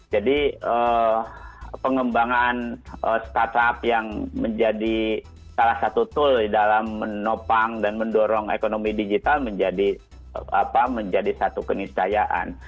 jadi pengembangan startup yang menjadi salah satu tool di dalam menopang dan mendorong ekonomi digital menjadi satu kenisayaan